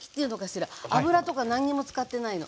油とか何にも使ってないの。